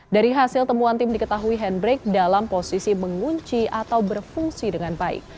dari hasil temuan tim diketahui handbrake dalam posisi mengunci atau berfungsi dengan baik